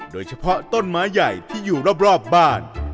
โดยเฉพาะต้นไม้ใหญ่ที่อยู่รอบบ้าน